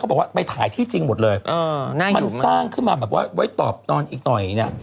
บอกว่าไปถ่ายที่จริงหมดเลยมันสร้างขึ้นมาแบบว่าไว้ตอบนอนอีกหน่อยเนี่ย